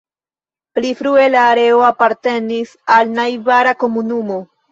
Pli frue la areo apartenis al najbara komunumo.